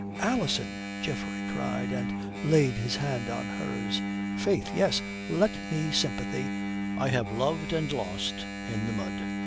"Alison!" Geoffrey cried, and laid his hand on hers. "Faith, yes, give me sympathy. I have loved and lost in the mud.